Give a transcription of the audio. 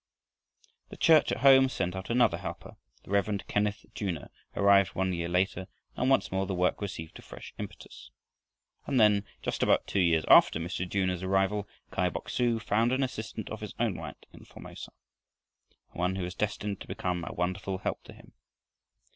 The church at home sent out another helper. The Rev. Kenneth Junor arrived one year later, and once more the work received a fresh impetus. And then, just about two years after Mr. Junor's arrival, Kai Bok su found an assistant of his own right in Formosa, and one who was destined to become a wonderful help to him.